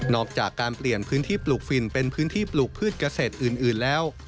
อกจากการเปลี่ยนพื้นที่ปลูกฝิ่นเป็นพื้นที่ปลูกพืชเกษตรอื่นแล้ว